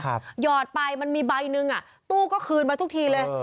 หยอดไปมันมีใบหนึ่งอ่ะตู้ก็คืนมาทุกทีเลย